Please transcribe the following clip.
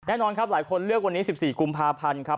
แน่นอนครับหลายคนเลือกวันนี้๑๔กุมภาพันธ์ครับ